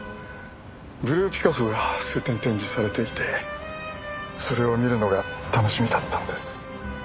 ブルーピカソが数点展示されていてそれを見るのが楽しみだったんです。